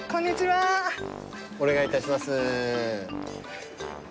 お願いいたします。